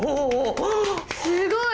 すごい！